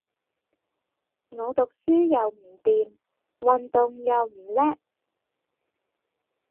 我讀書又唔掂，運動又唔叻